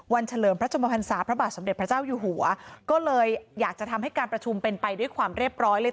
เฉลิมพระชมพันศาพระบาทสมเด็จพระเจ้าอยู่หัวก็เลยอยากจะทำให้การประชุมเป็นไปด้วยความเรียบร้อยเลย